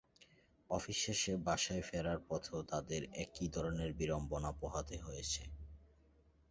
Office শেষে বাসায় ফেরার পথেও তাদের একই ধরনের বিড়ম্বনা পোহাতে হয়েছে।